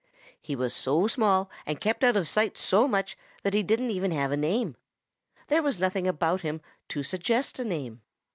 He was so small and kept out of sight so much that he didn't even have a name. There was nothing about him to suggest a name.